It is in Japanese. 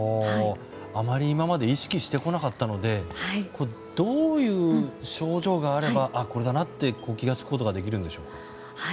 あまり今まで意識してこなかったのでどういう症状があればこれだなと気が付くことができるんでしょうか。